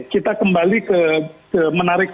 kita kembali ke menarik